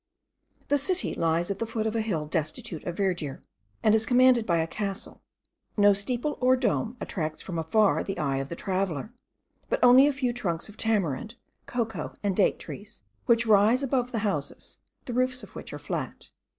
The city lies at the foot of a hill destitute of verdure, and is commanded by a castle. No steeple or dome attracts from afar the eye of the traveller, but only a few trunks of tamarind, cocoa, and date trees, which rise above the houses, the roofs of which are flat.